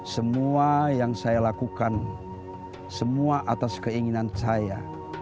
semua yang saya lakukan semua atas keinginan saya